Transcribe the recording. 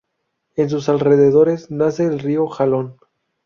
En sus alrededores nace el río Jalón.